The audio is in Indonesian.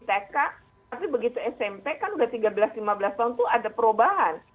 tapi begitu smp kan udah tiga belas lima belas tahun itu ada perubahan